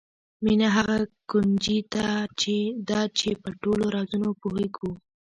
مینه هغه کونجي ده چې په ټولو رازونو پوهېږو.